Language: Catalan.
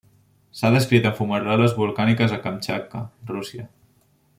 S'ha descrit en fumaroles volcàniques a Kamtxatka, Rússia.